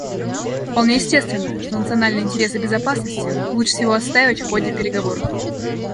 Вполне естественно, что национальные интересы безопасности лучше всего отстаивать в ходе переговоров.